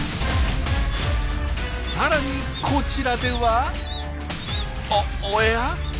さらにこちらではおや？